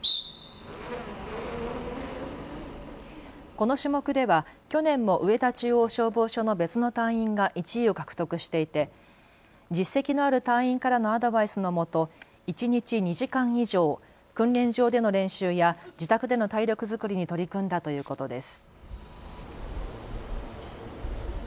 この種目では去年も上田中央消防署の別の隊員が１位を獲得していて実績のある隊員からのアドバイスのもと一日２時間以上訓練場での練習や自宅での体力作りに取り組んだということです。